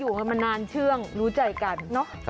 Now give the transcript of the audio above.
อยู่กันมานานเชื่องรู้ใจกัน